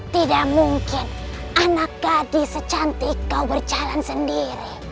tidak mungkin anak gadis secantik kau berjalan sendiri